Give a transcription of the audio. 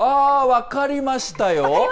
分かりましたよ！